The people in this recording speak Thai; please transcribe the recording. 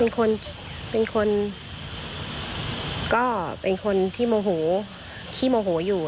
เป็นคนเป็นคนก็เป็นคนที่โมโหขี้โมโหอยู่